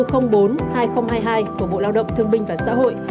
của bộ lao động thương minh và xã hội